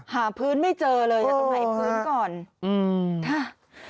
หาพื้นไม่เจอเลยอยากต้องหายพื้นก่อน